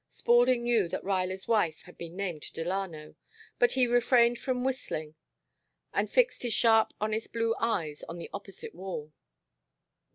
Spaulding knew that Ruyler's wife had been named Delano, but he refrained from whistling and fixed his sharp honest blue eyes on the opposite wall.